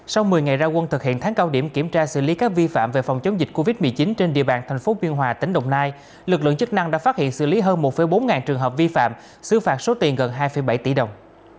sau một mươi ngày ra quân thực hiện tháng cao điểm kiểm tra xử lý các vi phạm về phòng chống dịch covid một mươi chín trên địa bàn tp biên hòa tỉnh đồng nai lực lượng chức năng đã phát hiện xử lý hơn một bốn ngàn trường hợp vi phạm xứ phạt số tiền gần hai bảy tỷ đồng